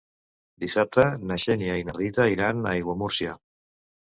Dissabte na Xènia i na Rita iran a Aiguamúrcia.